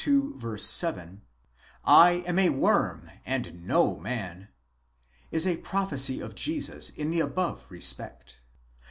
7, 7am a worm and no man is a prophecy of Jesus in the above respect.